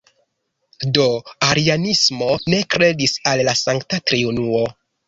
Do arianismo ne kredis al la Sankta Triunuo.